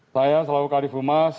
saya salahukadif umas